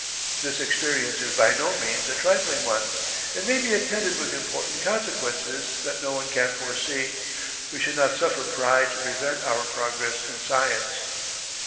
This Experience is by no means a trifling one. It may be attended with important Consequences that no one can foresee. We should not suffer Pride to prevent our progress in Science.